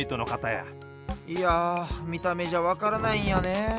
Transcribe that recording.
いやみためじゃわからないんやねえ。